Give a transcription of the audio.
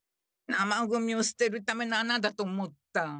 生ゴミをすてるためのあなだと思った。